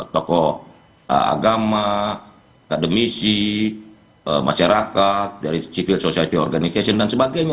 tokoh agama akademisi masyarakat dari civil society organization dan sebagainya